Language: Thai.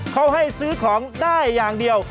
เขาให้ซื้อของได้อย่างเดียว